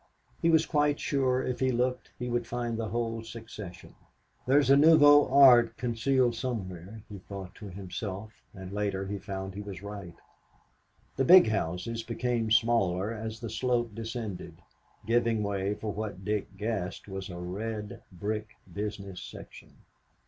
He was quite sure, if he looked, he would find the whole succession. "There's a nouveau art concealed somewhere," he thought to himself, and later he found he was right. The big houses became smaller as the slope descended, giving way for what Dick guessed was a red brick business section.